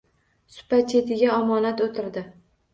Supa chetiga omonat o`tirdi